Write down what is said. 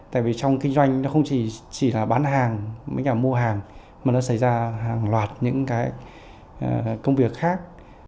tại vì trong kinh doanh nó không chỉ là bán hàng với nhà mua hàng mà nó xảy ra hàng loạt những cái công việc khác